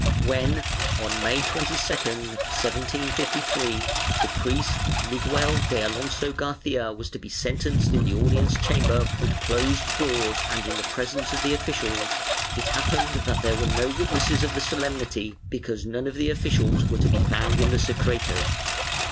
When, on May 22, 1753, the priest Miguel de Alonso Garcia was to be sen tenced in the audience chamber with closed doors and in the presence of the officials, it happened that there were no witnesses of the solemnity because none of the officials were to be found in the secreto.